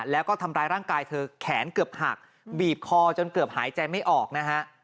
แล้วก็ทำร้ายร่างกายเธอแขนเกือบหักบีบคอจนเกือบหายใจไม่ออกนะฮะ